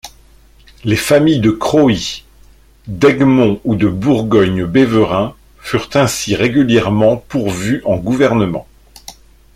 Les familles de Croÿ, d’Egmont ou de Bourgogne-Beveren furent ainsi régulièrement pourvues en gouvernements.